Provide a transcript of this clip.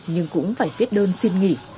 nhưng cũng phải viết đơn xin nghỉ